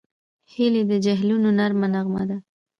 هیلۍ د جهیلونو نرمه نغمه ده